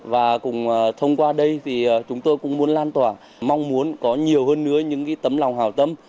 và thông qua đây thì chúng tôi cũng muốn lan tỏa mong muốn có nhiều hơn nữa những tấm lòng hào tâm